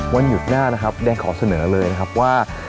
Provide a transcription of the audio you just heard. วันหยุดหน้านะครับแดงขอเสนอเลยนะครับว่า